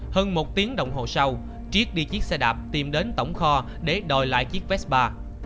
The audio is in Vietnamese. hơn một tiếng đồng hồ sau triết đi chiếc xe đạp tìm đến tổng kho để đòi lại chiếc vespa